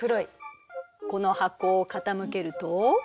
この箱を傾けると。